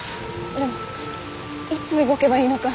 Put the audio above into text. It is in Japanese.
でもいつ動けばいいのか。